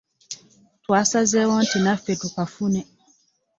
Twasazeewo nti naffe tukafune.